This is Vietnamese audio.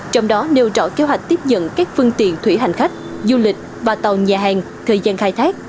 trong đó nêu rõ kế hoạch tiếp nhận các phương tiện thủy hành khách du lịch và tàu nhà hàng thời gian khai thác